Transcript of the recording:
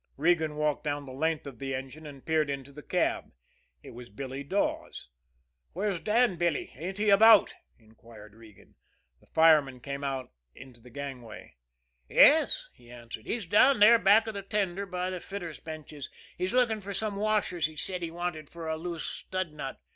Regan walked down the length of the engine, and peered into the cab. It was Billy Dawes. "Where's Dan, Billy? Ain't he about?" inquired Regan. The fireman came out into the gangway. "Yes," he answered; "he's down there back of the tender by the fitters' benches. He's looking for some washers he said he wanted for a loose stud nut.